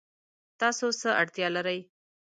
تاسو څه اړتیا لرئ؟